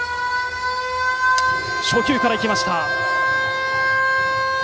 初球から行きました。